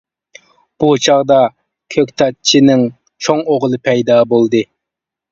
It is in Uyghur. بۇ چاغدا كۆكتاتچىنىڭ چوڭ ئوغلى پەيدا بولدى.